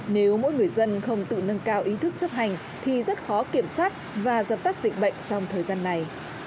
nếu mỗi người dân không tự nâng cao ý thức chấp hành thì rất khó kiểm soát và dập tắt dịch bệnh trong thời gian này